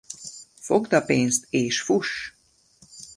Fogd a pénzt és fuss!